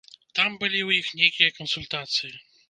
Там былі ў іх нейкія кансультацыі.